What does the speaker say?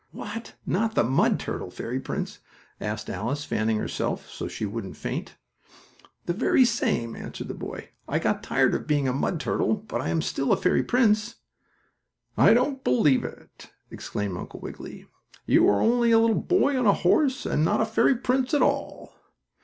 "What? Not the mud turtle fairy prince?" asked Alice, fanning herself, so she wouldn't faint. "The very same," answered the boy. "I got tired of being a mud turtle, but I am still a fairy prince!" "I don't believe it!" exclaimed Uncle Wiggily. "You are only a little boy on a horse, and not a fairy prince at all!"